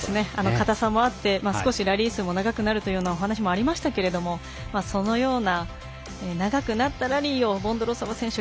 硬さもあって少しラリー数も長くなるというお話もありましたけれどそのような長くなったラリーをボンドロウソバ選手